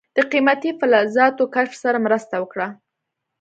د قیمتي فلزاتو کشف سره مرسته وکړه.